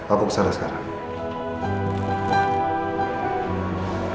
aku kesana sekarang